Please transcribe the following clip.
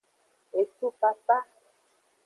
Ecufafa.